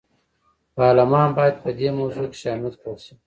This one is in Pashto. پارلمان باید په دې موضوع کې شامل کړل شي.